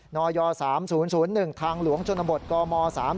นย๓๐๐๑ทางหลวงชนบทกม๓๔